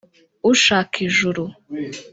ushaka ijuru